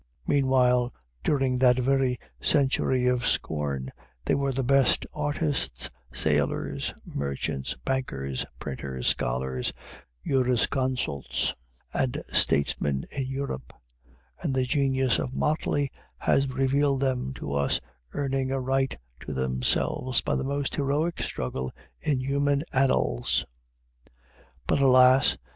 Meanwhile, during that very century of scorn, they were the best artists, sailors, merchants, bankers, printers, scholars, jurisconsults, and statesmen in Europe, and the genius of Motley has revealed them to us, earning a right to themselves by the most heroic struggle in human annals. But, alas!